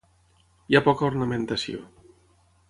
Hi ha poca ornamentació.